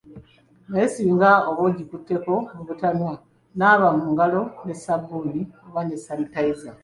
Naye singa oba ogikutteko mu butanwa, naaba mu ngalo ne ssabbuuni oba ne sanitayiza.